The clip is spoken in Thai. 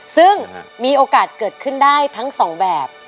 ซึ่งมีโอกาสเกิดขึ้นได้ทั้งสองแบบ